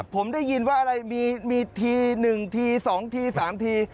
ผมได้ยินว่าอะไรมีที๑ที๒ที๓ที